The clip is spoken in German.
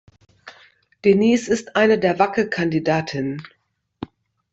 Denise ist eine der Wackelkandidatinnen.